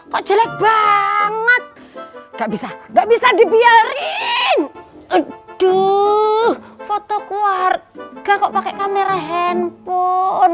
kok jelek banget nggak bisa nggak bisa dibiarin aduh foto keluar gak pakai kamera handphone